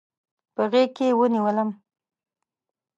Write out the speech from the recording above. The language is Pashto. په غېږ کې ونیولم.